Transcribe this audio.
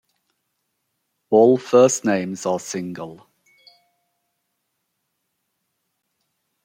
All first names are single.